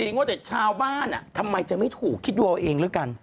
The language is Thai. ว่าแต่ชาวบ้านทำไมจะไม่ถูกคิดดูเอาเองแล้วกัน